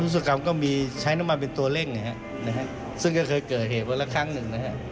สุกรรมก็มีใช้น้ำมันเป็นตัวเร่งนะฮะซึ่งก็เคยเกิดเหตุวันละครั้งหนึ่งนะฮะ